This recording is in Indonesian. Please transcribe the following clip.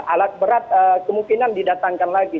alat berat kemungkinan didatangkan lagi